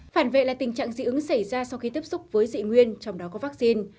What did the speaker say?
phản vệ là tình trạng dị ứng xảy ra sau khi tiếp xúc với dị nguyên trong đó có vaccine